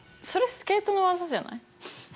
それスケートの技じゃない？